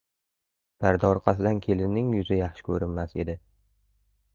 Parda orqasidan kelinning yuzi yaxshi ko‘rinmas edi.